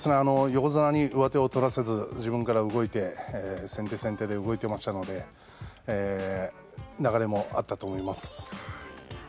横綱に上手を取らせず、自分から動いて先手先手で動いてましたので流れもあったと思います。